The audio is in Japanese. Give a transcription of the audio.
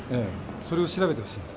それを調べてほしいんです。